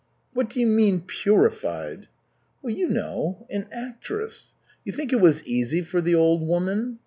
"What do you mean, purified?" "You know an actress. You think it was easy for the old woman?